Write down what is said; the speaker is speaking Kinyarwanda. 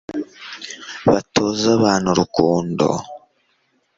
batoze abana urukundo